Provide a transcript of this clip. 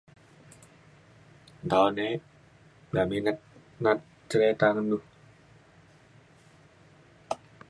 Nta ne da minat na’at cerita ngan du.